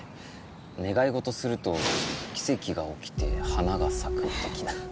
願い事すると奇跡が起きて花が咲く的な。